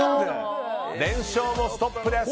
連勝もストップです。